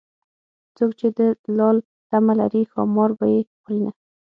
څوک چې د لال تمه لري ښامار به يې خورینه